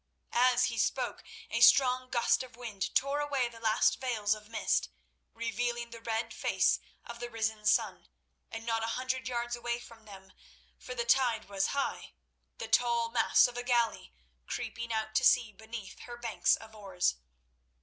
As he spoke a strong gust of wind tore away the last veils of mist, revealing the red face of the risen sun, and not a hundred yards away from them—for the tide was high—the tall masts of a galley creeping out to sea beneath her banks of oars.